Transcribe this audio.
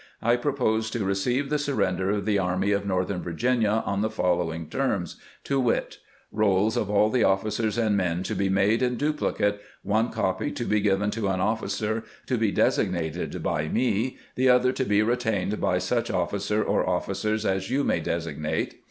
I propose to receive the surrender of the Army of Northern Virginia on the following terms, to wit: Rolls of all the officers and men to be made in dupUcate, one copy to be given to an officer to be designated by me, the other to be retained by such officer or officers as you may designate.